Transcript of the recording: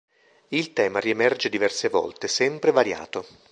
Il tema riemerge diverse volte, sempre variato.